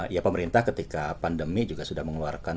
ya pemerintah ketika pandemi juga sudah mengeluarkan